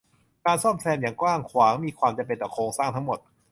การซ่อมแซมอย่างกว้างขวางมีความจำเป็นต่อโครงสร้างทั้งหมด